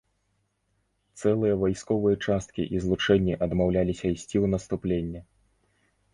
Цэлыя вайсковыя часткі і злучэнні адмаўляліся ісці ў наступленне.